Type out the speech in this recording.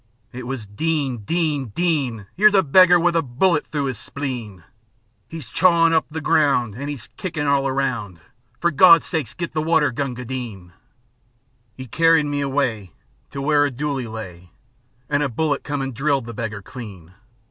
It was "Din! Din! Din! 'Ere's a beggar with a bullet through 'is spleen; 'E's chawin' up the ground, An' 'e's kickin' all around: For Gawd's sake git the water, Gunga Din!" 'E carried me away To where a dooli lay, An' a bullet come an' drilled the beggar clean.